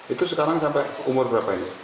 itu sekarang sampai umur berapa ini